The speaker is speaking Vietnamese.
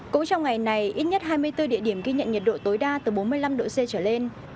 cũng trong ngày này ít nhất hai mươi bốn địa điểm ghi nhận nhiệt độ tối đa từ bốn mươi năm độ c trở lên